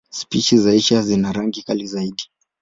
Spishi za Asia zina rangi kali zaidi.